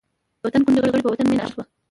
د وطن ګوند غړي، په وطن مین اشخاص وو.